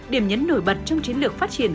điểm nhấn nổi bật trong chiến lược phát triển